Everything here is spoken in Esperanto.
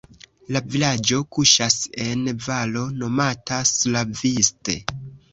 La vilaĝo kuŝas en valo nomata Slaviste.